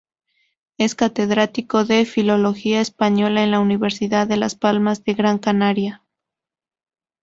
Es Catedrático de Filología Española en la Universidad de Las Palmas de Gran Canaria.